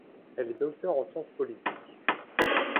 Elle est docteur en science politique.